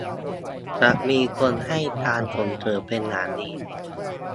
จะมีคนให้การส่งเสริมเป็นอย่างดี